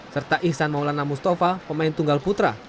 serta ihsan maulana mustafa pemain tunggal putra